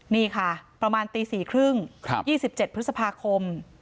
นี่ค่ะประมาณตี๔๓๐นยี่สิบเจ็ดพฤษภาคม